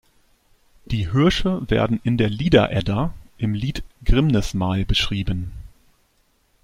Die Hirsche werden in der "Lieder-Edda" im Lied "Grímnismál" beschrieben.